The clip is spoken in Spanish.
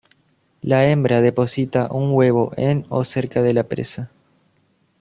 La hembra deposita un huevo en o cerca de la presa.